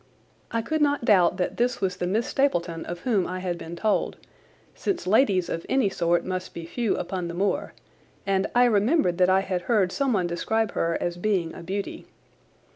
I could not doubt that this was the Miss Stapleton of whom I had been told, since ladies of any sort must be few upon the moor, and I remembered that I had heard someone describe her as being a beauty.